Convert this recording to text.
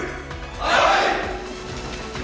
はい！